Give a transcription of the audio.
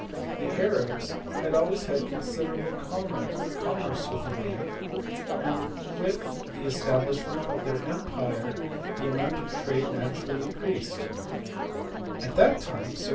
The Arabs had always had considerable commerce with India, and with the establishment of their empire the amount of trade naturally increased ; at that time, circ.